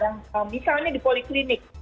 nah misalnya di poliklinik